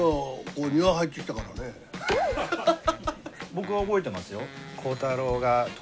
僕は覚えてますよ。